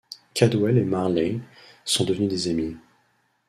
Caldwell et Marley sont devenus des amis.